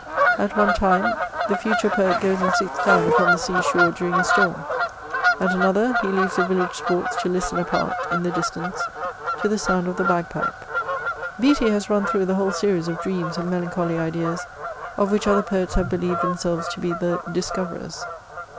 At one time the future poet goes and sits down upon the sea shore during a storm ; at another he leaves the village sports to listen apart, in the dis tance, to the sound of the bagpipe. Beattie has run through the whole series of dreams and melancholy ideas, of which other poets have believed themselves to be the discoverers.